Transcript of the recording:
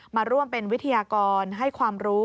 มาร่วมเป็นวิทยากรให้ความรู้